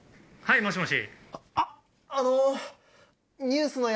はいもしもし。